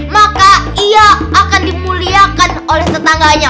maka ia akan dimuliakan oleh tetangganya